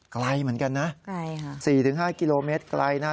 ไกลเหมือนกันนะ๔๕กิโลเมตรไกลนะ